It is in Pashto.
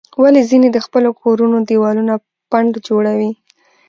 ولې ځینې د خپلو کورونو دیوالونه پنډ جوړوي؟